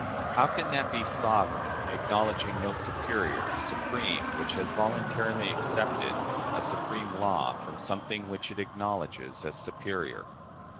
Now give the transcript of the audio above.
How can that be sovereign, acknowledging no superior, supreme, which has voluntarily accepted a supreme law from something which it acknowledges as superior?"